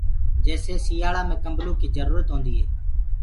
جيسي سيآݪآ مي ڪمبلو ڪيٚ جرورت هونديٚ هي